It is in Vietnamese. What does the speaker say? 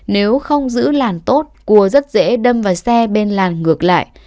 nếu không giữ làn tốt cua rất dễ đâm vào xe bên làn ngược lại